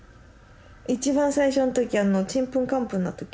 一番最初の時ちんぷんかんぷんの時？